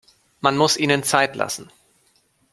Man muss ihnen Zeit lassen.